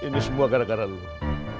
mertua gue siapasih